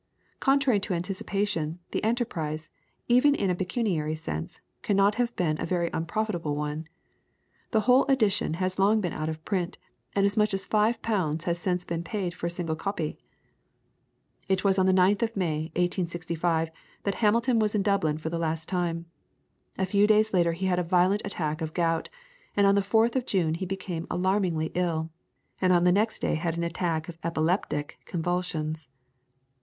Contrary to anticipation, the enterprise, even in a pecuniary sense, cannot have been a very unprofitable one. The whole edition has long been out of print, and as much as 5 pounds has since been paid for a single copy. It was on the 9th of May, 1865, that Hamilton was in Dublin for the last time. A few days later he had a violent attack of gout, and on the 4th of June he became alarmingly ill, and on the next day had an attack of epileptic convulsions.